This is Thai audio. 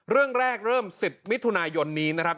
เรื่องแรกเริ่ม๑๐มิถุนายนนี้นะครับ